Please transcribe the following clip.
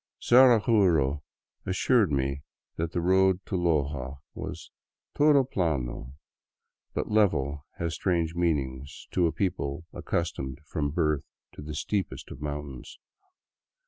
Zaraguro assured me that the road to Loja was todo piano "; but level has strange meanings to a people accustomed from birth to the steepest of mountains.